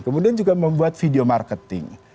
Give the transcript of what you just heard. kemudian juga membuat video marketing